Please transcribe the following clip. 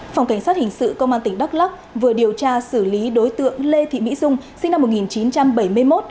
phòng cảnh sát hình sự công an tỉnh đắk lắc vừa điều tra xử lý đối tượng lê thị mỹ dung sinh năm một nghìn chín trăm bảy mươi một